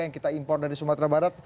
yang kita impor dari sumatera barat